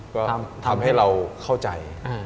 ก็ทำให้เราเข้าใจ